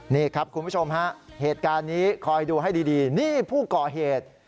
นี่ครับคุณผู้ชมฮะเหตุการณ์นี้คอยดูให้ดีนี่ผู้ก่อเหตุ